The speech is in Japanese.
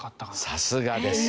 さすがです。